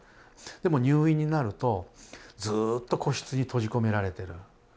でも入院になるとずっと個室に閉じ込められてる。